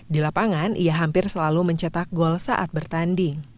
di lapangan ia hampir selalu mencetak gol saat bertanding